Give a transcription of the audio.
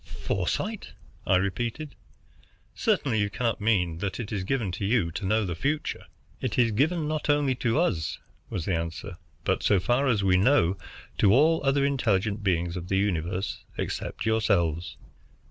"Foresight!" I repeated. "Certainly you cannot mean that it is given you to know the future?" "It is given not only to us," was the answer, "but, so far as we know, to all other intelligent beings of the universe except yourselves.